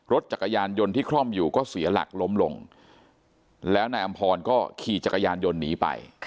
รถจักรยานยนต์ที่คล่อมอยู่ก็เสียหลักล้มลงแล้วนายอำพรก็ขี่จักรยานยนต์หนีไป